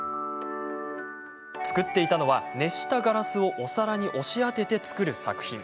作っていたのは、熱したガラスをお皿に押し当てて作る作品。